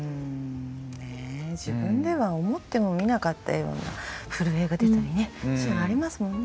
ねえ自分では思ってもみなかったような震えが出たりね